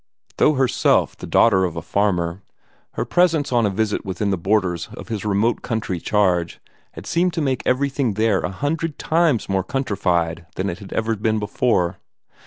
Though herself the daughter of a farmer, her presence on a visit within the borders of his remote country charge had seemed to make everything, there a hundred times more countrified than it had ever been before.